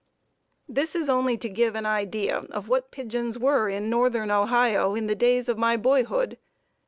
This is only to give an idea of what pigeons were in northern Ohio in the days of my boyhood.